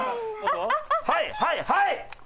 はいはいはい。